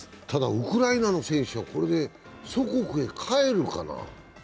ウクライナの選手は祖国へ帰るかな？